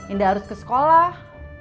indah harus ke sekolah